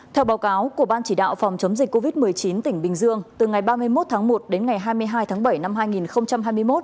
theo báo cáo của ban chỉ đạo phòng chống dịch covid một mươi chín tỉnh bình dương từ ngày ba mươi một tháng một đến ngày hai mươi hai tháng bảy năm hai nghìn hai mươi một